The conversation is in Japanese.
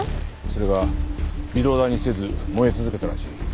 それが微動だにせず燃え続けたらしい。